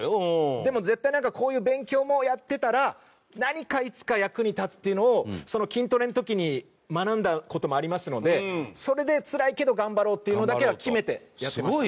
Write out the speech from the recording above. でも絶対なんかこういう勉強もやってたら何かいつか役に立つというのを筋トレの時に学んだ事もありますのでそれでつらいけど頑張ろうっていうのだけは決めてやってました。